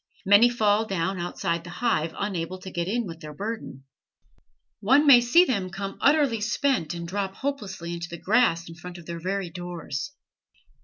Many fall down outside the hive, unable to get in with their burden. One may see them come utterly spent and drop hopelessly into the grass in front of their very doors.